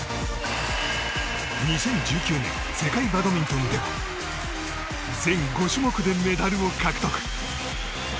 ２０１９年世界バドミントンでは全５種目でメダルを獲得。